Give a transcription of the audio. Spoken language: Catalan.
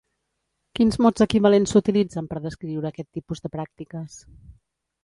Quins mots equivalents s'utilitzen per descriure aquest tipus de pràctiques?